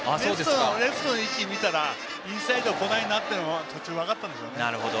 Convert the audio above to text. レフトの位置を見たらインサイド来ないのが途中で分かったんでしょうね。